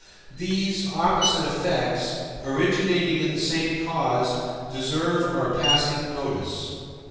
These opposite effects, originating in the same cause, deserve our passing notice.